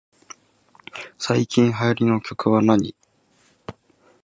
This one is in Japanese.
最近流行りの曲はなに